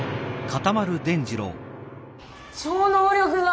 超能力だ！